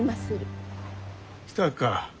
来たか。